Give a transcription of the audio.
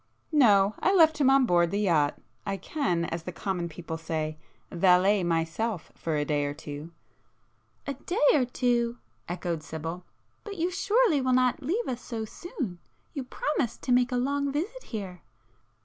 "No. I left him on board the yacht. I can, as the common people say, 'valet myself' for a day or two." "A day or two?" echoed Sibyl—"But you surely will not leave us so soon? You promised to make a long visit here."